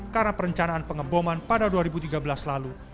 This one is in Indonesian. karena perencanaan pengeboman pada dua ribu tiga belas lalu